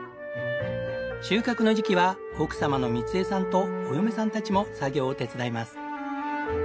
収穫の時期は奥様の光江さんとお嫁さんたちも作業を手伝います。